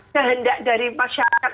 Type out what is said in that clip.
kehendak dari masyarakat